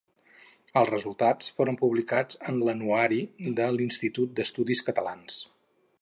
Els resultats foren publicats en l'Anuari de l'Institut d'Estudis Catalans.